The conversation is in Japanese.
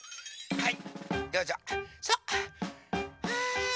はい！